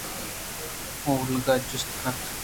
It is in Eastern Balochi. اولگاءَ جست کُت